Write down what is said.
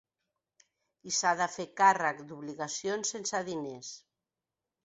I s’ha de fer càrrec d’obligacions sense diners.